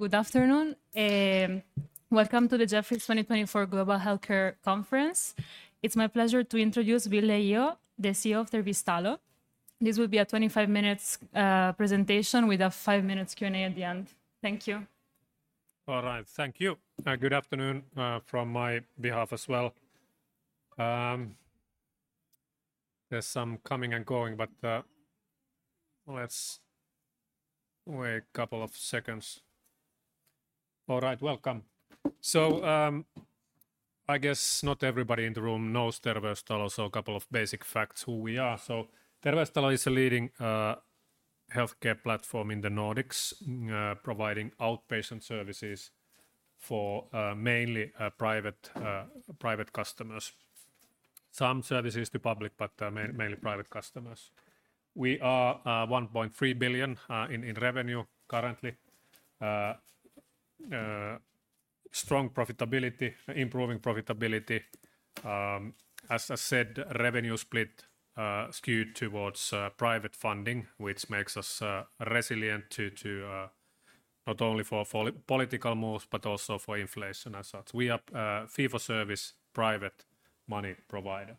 Good afternoon. Welcome to the Jefferies 2024 Global Healthcare Conference. It's my pleasure to introduce Ville Iho, the CEO of Terveystalo. This will be a 25-minute presentation with a five-minute Q&A at the end. Thank you. All right, thank you. Good afternoon from my behalf as well. There's some coming and going, but let's wait a couple of seconds. All right, welcome. I guess not everybody in the room knows Terveystalo, so a couple of basic facts on who we are. Terveystalo is a leading healthcare platform in the Nordics, providing outpatient services for mainly private customers. Some services to public, but mainly private customers. We are 1.3 billion in revenue currently. Strong profitability, improving profitability. As I said, revenue split skewed towards private funding, which makes us resilient not only for political moves, but also for inflation and such. We are a fee-for-service private money provider.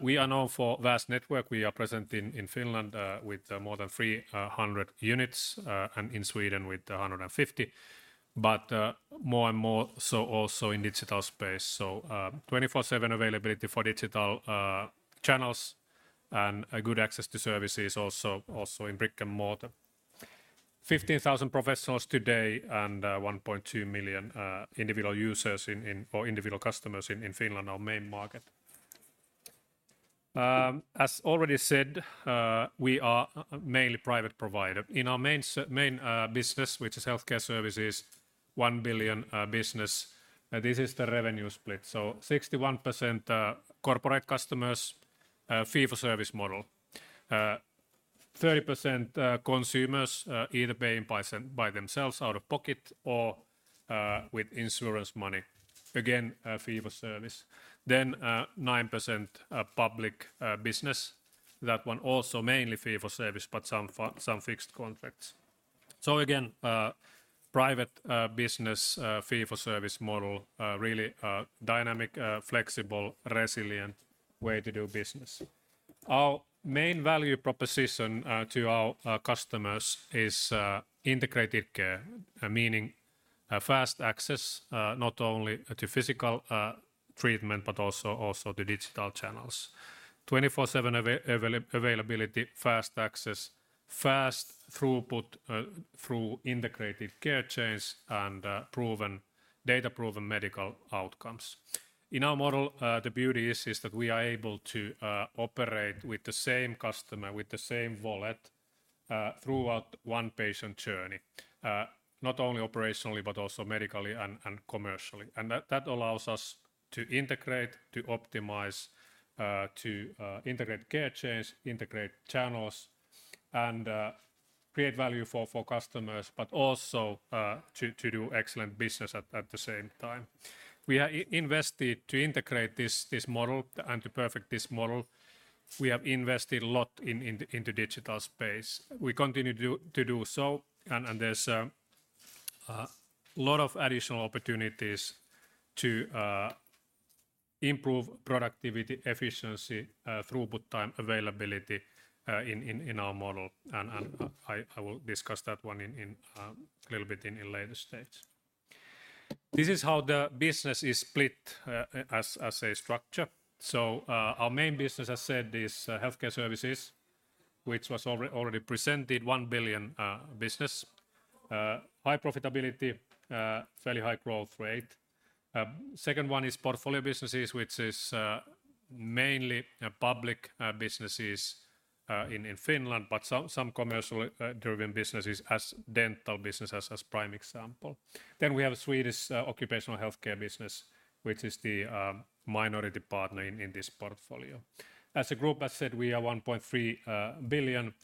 We are known for a vast network. We are present in Finland with more than 300 units and in Sweden with 150, but more and more so also in the digital space. 24/7 availability for digital channels and good access to services also in brick-and-mortar. 15,000 professionals today and 1.2 million individual users or individual customers in Finland are our main market. As already said, we are mainly a private provider. In our main business, which is healthcare services, 1 billion business. This is the revenue split. So 61% corporate customers, fee-for-service model. 30% consumers, either paying by themselves out of pocket or with insurance money. Again, fee-for-service. Then 9% public business. That one also mainly fee-for-service, but some fixed contracts. So again, private business fee-for-service model, really dynamic, flexible, resilient way to do business. Our main value proposition to our customers is integrated care, meaning fast access not only to physical treatment, but also to digital channels. 24/7 availability, fast access, fast throughput through integrated care chains and data-proven medical outcomes. In our model, the beauty is that we are able to operate with the same customer, with the same wallet throughout one patient journey. Not only operationally, but also medically and commercially, and that allows us to integrate, to optimize, to integrate care chains, integrate channels, and create value for customers, but also to do excellent business at the same time. We have invested to integrate this model and to perfect this model. We have invested a lot into digital space. We continue to do so, and there's a lot of additional opportunities to improve productivity, efficiency, throughput time availability in our model, and I will discuss that one a little bit in later stage. This is how the business is split as a structure, so our main business, as I said, is healthcare services, which was already presented, 1 billion business, high profitability, fairly high growth rate. Second one is portfolio businesses, which is mainly public businesses in Finland, but some commercially driven businesses as dental business as prime example. Then we have Swedish occupational healthcare business, which is the minority partner in this portfolio. As a group, as I said, we are 1.3 billion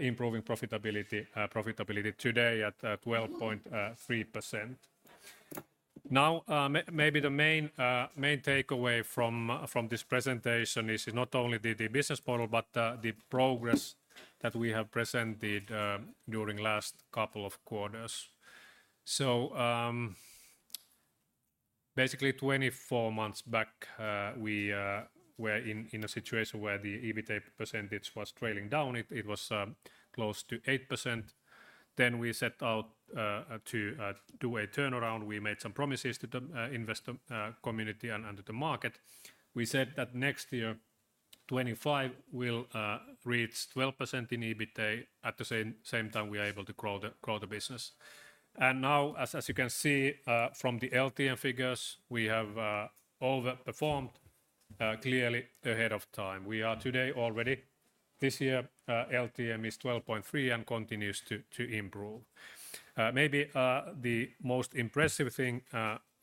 improving profitability today at 12.3%. Now, maybe the main takeaway from this presentation is not only the business model, but the progress that we have presented during the last couple of quarters. So basically, 24 months back, we were in a situation where the EBITDA percentage was trailing down. It was close to 8%. Then we set out to do a turnaround. We made some promises to the investor community and to the market. We said that next year, 2025, we'll reach 12% in EBITDA at the same time we are able to grow the business. And now, as you can see from the LTM figures, we have overperformed clearly ahead of time. We are today already, this year, LTM is 12.3 and continues to improve. Maybe the most impressive thing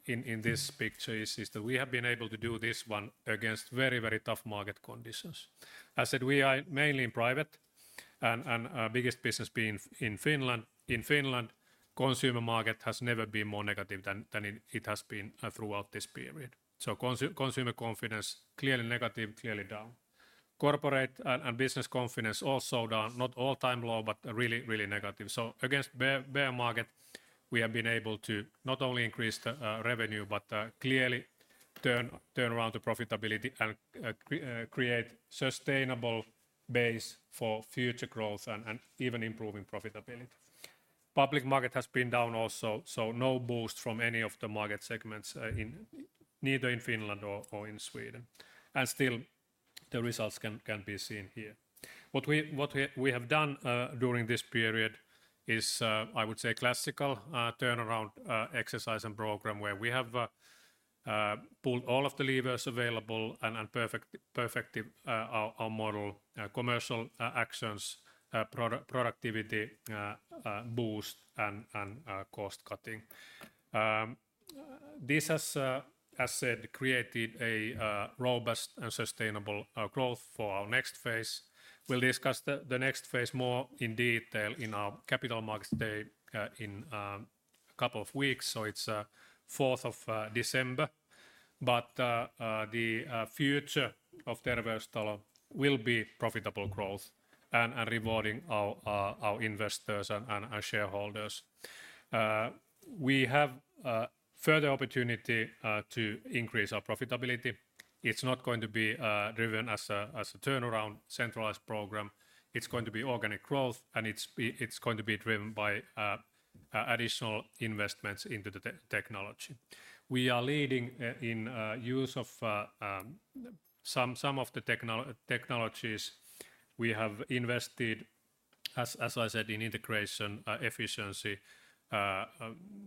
in this picture is that we have been able to do this one against very, very tough market conditions. As I said, we are mainly in private, and our biggest business being in Finland. In Finland, the consumer market has never been more negative than it has been throughout this period. So consumer confidence, clearly negative, clearly down. Corporate and business confidence also down, not all-time low, but really, really negative. So against a bear market, we have been able to not only increase the revenue, but clearly turn around the profitability and create a sustainable base for future growth and even improving profitability. Public market has been down also, so no boost from any of the market segments, neither in Finland nor in Sweden, and still, the results can be seen here. What we have done during this period is, I would say, a classical turnaround exercise and program where we have pulled all of the levers available and perfected our model, commercial actions, productivity boost, and cost cutting. This has, as I said, created a robust and sustainable growth for our next phase. We'll discuss the next phase more in detail in our capital markets day in a couple of weeks, so it's the 4th of December, but the future of Terveystalo will be profitable growth and rewarding our investors and shareholders. We have further opportunity to increase our profitability. It's not going to be driven as a turnaround centralized program. It's going to be organic growth, and it's going to be driven by additional investments into the technology. We are leading in use of some of the technologies. We have invested, as I said, in integration, efficiency,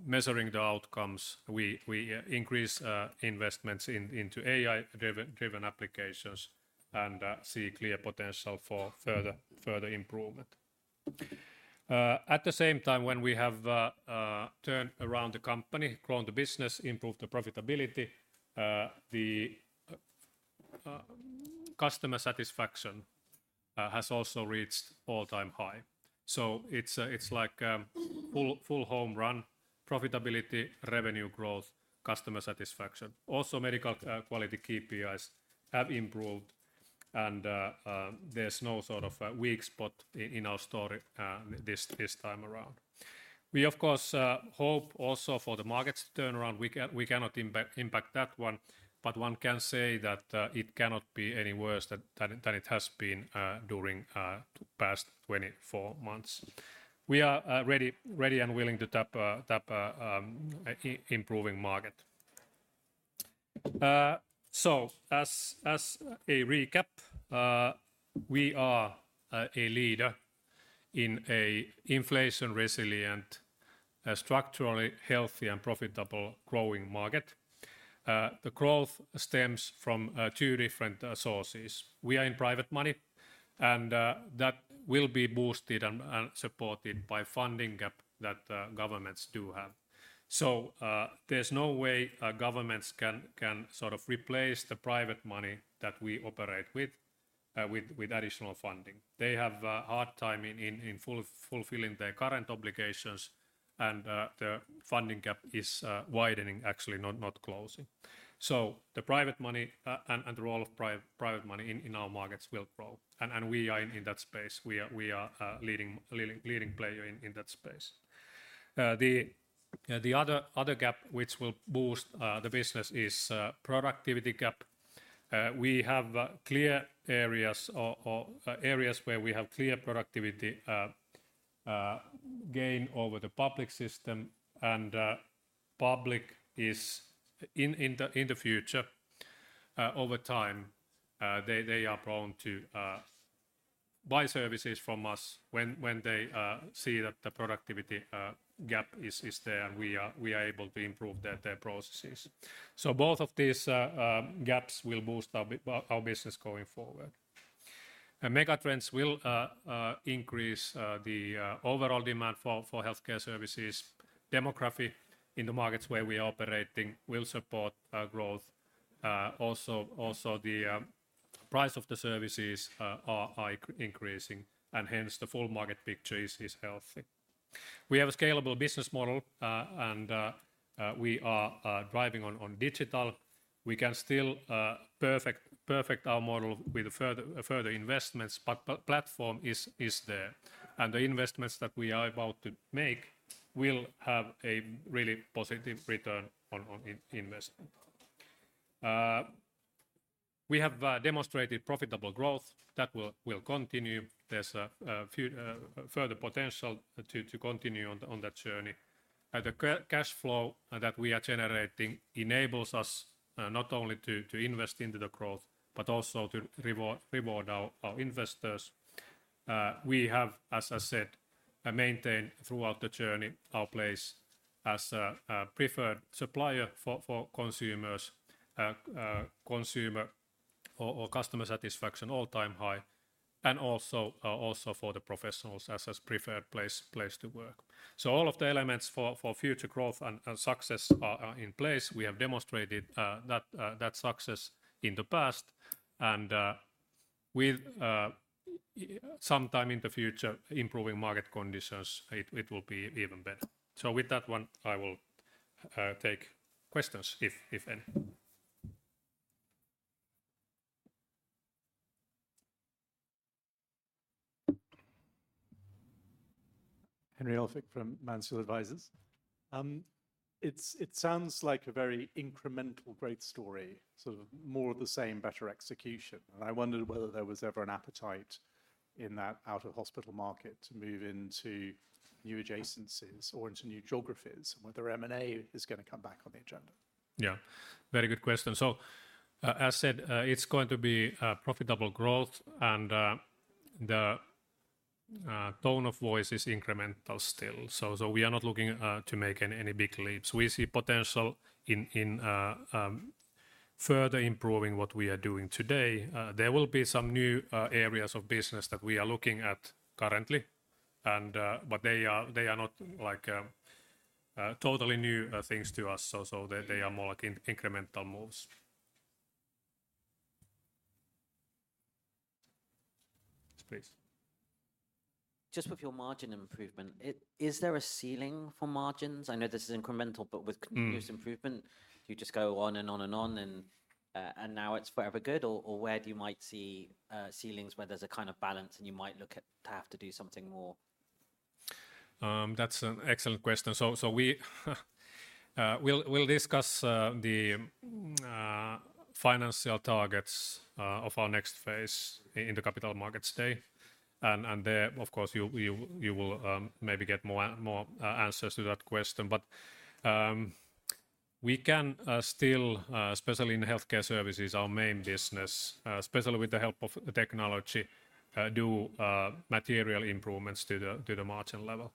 measuring the outcomes. We increase investments into AI-driven applications and see clear potential for further improvement. At the same time, when we have turned around the company, grown the business, improved the profitability, the customer satisfaction has also reached all-time high. So it's like a full home run: profitability, revenue growth, customer satisfaction. Also, medical quality KPIs have improved, and there's no sort of weak spot in our story this time around. We, of course, hope also for the markets to turn around. We cannot impact that one, but one can say that it cannot be any worse than it has been during the past 24 months. We are ready and willing to tap improving market, so as a recap, we are a leader in an inflation-resilient, structurally healthy, and profitable growing market. The growth stems from two different sources. We are in private money, and that will be boosted and supported by funding gap that governments do have, so there's no way governments can sort of replace the private money that we operate with additional funding. They have a hard time in fulfilling their current obligations, and the funding gap is widening, actually, not closing, so the private money and the role of private money in our markets will grow, and we are in that space. We are a leading player in that space. The other gap which will boost the business is the productivity gap. We have clear areas where we have clear productivity gain over the public system, and public is in the future. Over time, they are prone to buy services from us when they see that the productivity gap is there, and we are able to improve their processes, so both of these gaps will boost our business going forward. Megatrends will increase the overall demand for healthcare services. Demography in the markets where we are operating will support growth. Also, the price of the services is increasing, and hence the full market picture is healthy. We have a scalable business model, and we are driving on digital. We can still perfect our model with further investments, but the platform is there, and the investments that we are about to make will have a really positive return on investment. We have demonstrated profitable growth that will continue. There's further potential to continue on that journey. The cash flow that we are generating enables us not only to invest into the growth, but also to reward our investors. We have, as I said, maintained throughout the journey our place as a preferred supplier for consumers, consumer or customer satisfaction all-time high, and also for the professionals as a preferred place to work. So all of the elements for future growth and success are in place. We have demonstrated that success in the past, and with some time in the future, improving market conditions, it will be even better. So with that one, I will take questions if any. Henry Elphick from Mansfield Advisors. It sounds like a very incremental great story, sort of more of the same better execution. I wondered whether there was ever an appetite in that out-of-hospital market to move into new adjacencies or into new geographies and whether M&A is going to come back on the agenda? Yeah, very good question. So as I said, it's going to be profitable growth, and the tone of voice is incremental still. So we are not looking to make any big leaps. We see potential in further improving what we are doing today. There will be some new areas of business that we are looking at currently, but they are not totally new things to us. So they are more like incremental moves. Please. Just with your margin improvement, is there a ceiling for margins? I know this is incremental, but with continuous improvement, do you just go on and on and on, and now it's forever good, or where do you might see ceilings where there's a kind of balance and you might look to have to do something more? That's an excellent question, so we'll discuss the financial targets of our next phase in the capital markets day, and there, of course, you will maybe get more answers to that question, but we can still, especially in healthcare services, our main business, especially with the help of technology, do material improvements to the margin level.